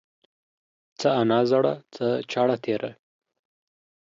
څه انا زړه ، څه چاړه تيره.